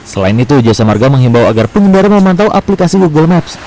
selain itu jasa marga menghimbau agar pengendara memantau aplikasi google maps